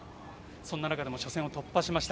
そんな中でも初戦を突破しました。